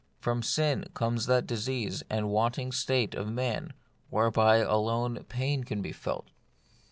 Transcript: From sin comes that diseased and wanting state of man whereby alone pain can be felt.